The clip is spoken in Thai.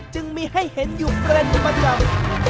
จึงมีให้เห็นอยู่เป็นประจำ